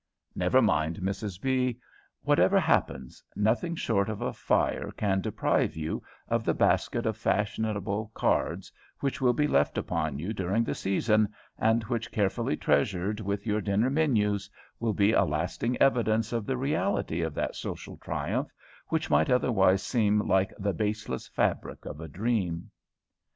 Never mind, Mrs B.; whatever happens, nothing short of a fire can deprive you of the basket of fashionable cards which will be left upon you during the season, and which, carefully treasured with your dinner menus, will be a lasting evidence of the reality of that social triumph which might otherwise seem like the 'baseless fabric of a dream.'"